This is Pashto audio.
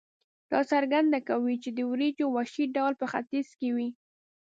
دا څرګندونه کوي چې د وریجو وحشي ډول په ختیځ کې وې.